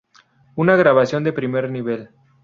Una grabación de primer nivel.